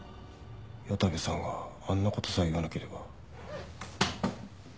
矢田部さんがあんな事さえ言わなければ。